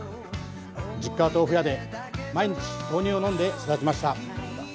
実家は豆腐屋で、毎日豆乳を飲んで育ちました。